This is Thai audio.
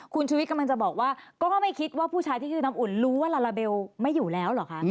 คุณชุวิตกำลังจะบอกว่าก็ไม่คิดว่าผู้ชายที่ชื่อน้ำอุ่นรู้ว่าลาลาเบลไม่อยู่แล้วเหรอคะ